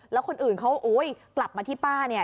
แล้วคนอื่นเขาโอ๊ยกลับมาที่ป้าเนี่ย